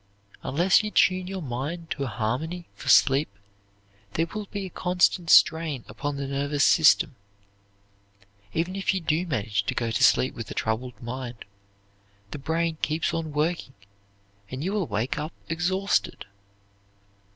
Unless you tune your mind to harmony for sleep, there will be a constant strain upon the nervous system. Even if you do manage to go to sleep with a troubled mind, the brain keeps on working and you will wake up exhausted.